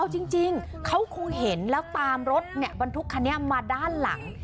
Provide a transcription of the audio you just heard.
ว่าแล้วเอาจริงเขาคงเห็นแล้วตามรถเนี่ยบรรทุกคันนี้มาด้านหลัง